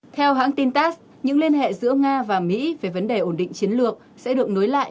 theo hãng tin tass những liên hệ giữa nga và mỹ về vấn đề ổn định chiến lược sẽ được nối lại